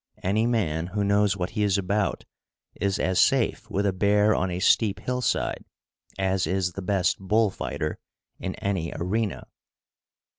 Any man who knows what he is about is as safe with a bear on a steep hillside as is the best bull fighter in any arena.